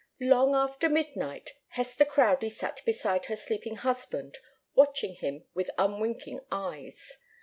Long after midnight Hester Crowdie sat beside her sleeping husband, watching him with unwinking eyes.